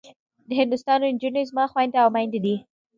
د هندوستان نجونې زما خوندي او مندي دي.